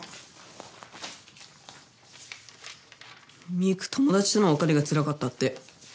実玖友達との別れがつらかったって。